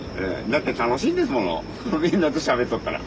だって楽しいんですものみんなとしゃべっとったら。